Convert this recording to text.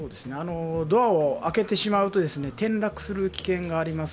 ドアを開けてしまうと転落する危険があります。